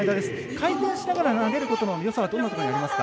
回転しながら投げることのよさはどんなところにありますか？